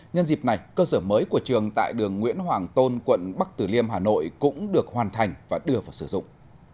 nhân dịp này cơ sở mới của trường tại đường nguyễn hoàng tôn quận bắc tử liêm hà nội cũng được hoàn thành và đưa vào sử dụng